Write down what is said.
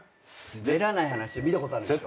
『すべらない話』見たことあるでしょ？